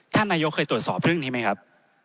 ท่านนายกเคยตรวจสอบเรื่องนี้ไหมครับ